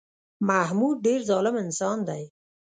محمود ډېر ظالم انسان دی